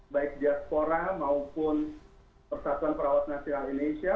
baik diaspora maupun persatuan perawat nasional indonesia